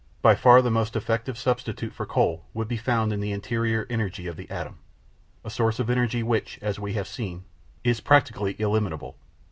By far the most effective substitutes for coal would be found in the interior energy of the atom, a source of energy which, as we have seen, is practically illimitable.